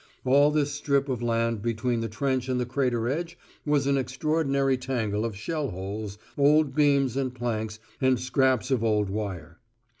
All this strip of land between the trench and the crater edge was an extraordinary tangle of shell holes, old beams and planks, and scraps of old wire.